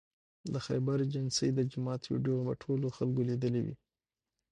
د خیبر ایجنسۍ د جومات ویدیو به ټولو خلکو لیدلې وي